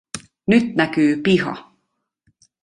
Nyt näkyy piha.